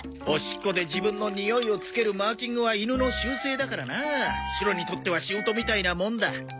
おしっこで自分のにおいを付けるマーキングは犬の習性だからなシロにとっては仕事みたいなもんだ。